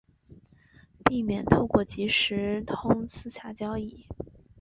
避免透过即时通私下交易